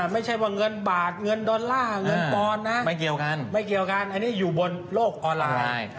ไม่ใช่ว่าเงินบาทเงินดอลลาร์เงินปอนนะไม่เกี่ยวกันไม่เกี่ยวกันอันนี้อยู่บนโลกออนไลน์